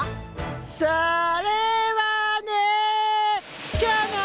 それはね。